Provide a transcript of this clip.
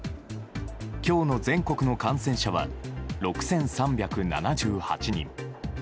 今日の全国の感染者は６３７８人。